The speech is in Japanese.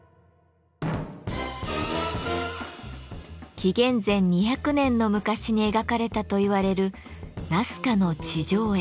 紀元前２００年の昔に描かれたといわれる「ナスカの地上絵」。